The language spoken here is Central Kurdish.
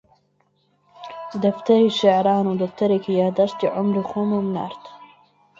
دەفتەری شیعران و دەفتەرێکی یادداشتی عومری خۆم نارد